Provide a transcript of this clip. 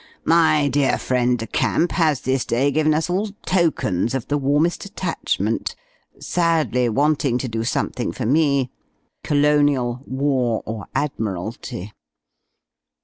My dear friend, De Camp, has this day given us all tokens of the warmest attachment sadly wanting to do something for me 'Colonial,' 'War,' or 'Admiralty.'